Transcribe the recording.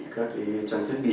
các trang thiết bị